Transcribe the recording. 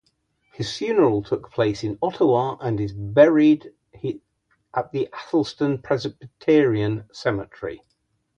His funeral took place in Ottawa, and is buried at the Athelstan Presbyterian Cemetery.